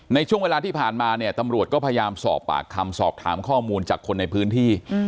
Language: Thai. ในช่วงเวลาที่ผ่านมาเนี่ยตำรวจก็พยายามสอบปากคำสอบถามข้อมูลจากคนในพื้นที่